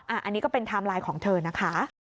อันนี้ก็เป็นไทม์ไลน์ของเธอนะคะ